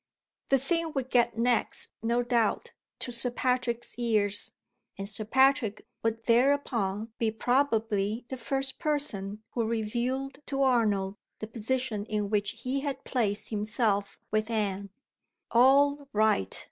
The thing would get next, no doubt, to Sir Patrick's ears; and Sir Patrick would thereupon be probably the first person who revealed to Arnold the position in which he had placed himself with Anne. All right!